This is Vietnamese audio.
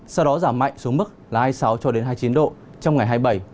sau đó giảm mạnh xuống mức là hai mươi sáu cho đến hai mươi chín độ trong ngày hai mươi bảy